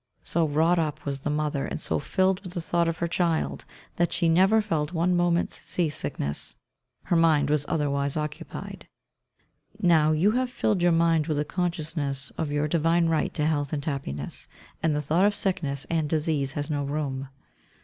So wrought up was the mother, and so filled with the thought of her child, that she never felt one moment's seasickness. Her mind was otherwise occupied. Now you have filled your mind with a consciousness of your divine right to health and happiness, and the thought of sickness and disease has no room.